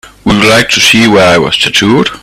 Would you like to see where I was tattooed?